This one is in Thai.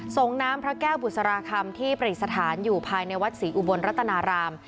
ส่งน้ำพระแก้วบุษราคำที่ประดิษฐานอยู่ภายในวัดศรีอุบลรัตนาราม